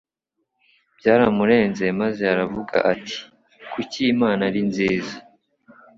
byaramurenze maze aravuga ati kuki imana ari nziza